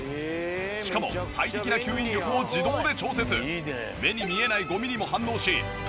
しかも最適な吸引力を自動で調節。